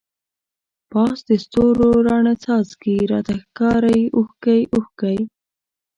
پاس د ستورو راڼه څاڅکی، راته ښکاری اوښکی اوښکی